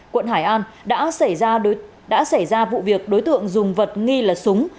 quận hải an đã xảy ra vụ việc đối tượng dùng vật nghi là súng